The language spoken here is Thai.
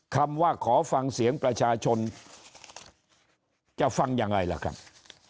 คำว่าขอฟังเสียงประชาชนจะฟังยังไงล่ะครับ